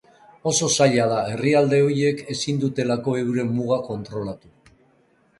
Oso zaila da, herrialde horiek ezin dutelako euren muga kontrolatu.